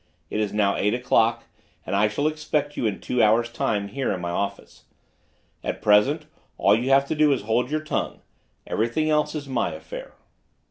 It is now eight o'clock, and I shall expect you in two hours' time here in my office. At present, all you have to do is to hold your tongue; everything else is my affair."